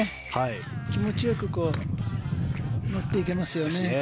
気持ち良く持っていけますよね。